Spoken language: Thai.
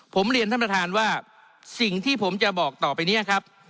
ผมเรียนท่านประธานว่าสิ่งที่ผมจะบอกต่อไปนี้ครับ